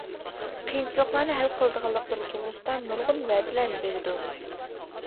قىيىنچىلىقلارنى ھەل قىلىدىغانلىقلىرى توغرىسىدا نۇرغۇن ۋەدىلەرنى بېرىدۇ.